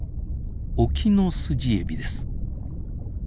オキノスジエビです。